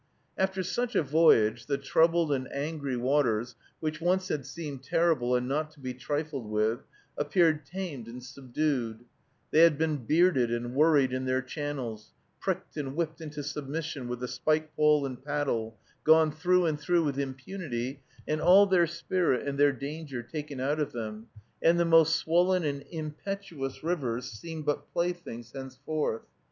After such a voyage, the troubled and angry waters, which once had seemed terrible and not to be trifled with, appeared tamed and subdued; they had been bearded and worried in their channels, pricked and whipped into submission with the spike pole and paddle, gone through and through with impunity, and all their spirit and their danger taken out of them, and the most swollen and impetuous rivers seemed but playthings henceforth.